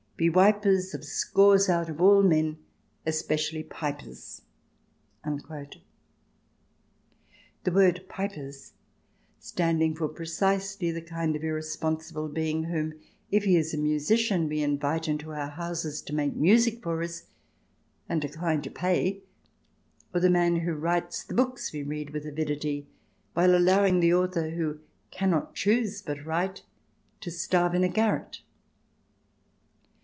be wipers Of scores out with all men — especially pipers !" the word " pipers " standing for precisely the kind of irresponsible being whom, if he is a musician, we invite into our houses to make music for us, and decline to pay, or the man who writes the books we read with avidity, while allowing the author who " cannot choose but write " to starve in a garret.